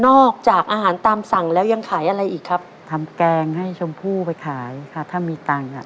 ออกจากอาหารตามสั่งแล้วยังขายอะไรอีกครับทำแกงให้ชมพู่ไปขายค่ะถ้ามีตังค์อ่ะ